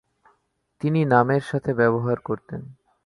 তিনি নামের সাথে ব্যবহার করতেন।